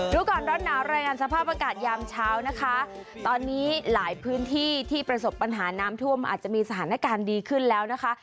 ดูก่อนร้อนหนาวรายงานสภาพอากาศยามเช้านะคะตอนนี้หลายพื้นที่ที่ประสบปัญหาน้ำท่วมอาจจะมีสถานการณ์ดีขึ้นแล้วนะคะ